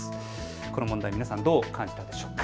この問題、皆さん、どう感じたでしょうか。